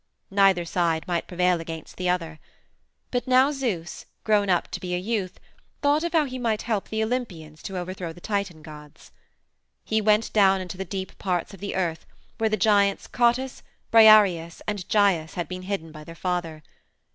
Neither side might prevail against the other. But now Zeus, grown up to be a youth, thought of how he might help the Olympians to overthrow the Titan gods. He went down into the deep parts of the Earth where the giants Cottus, Briareus, and Gyes had been hidden by their father.